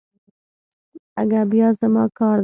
اگه بيا زما کار دی.